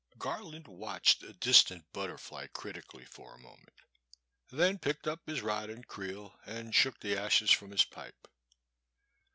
238 The Boy^s Sister. Garland watched a distant butterfly critically for a moment, then picked up his rod and creel and shook the ashes from his pipe.